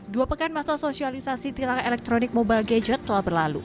dua pekan masa sosialisasi tilang elektronik mobile gadget telah berlalu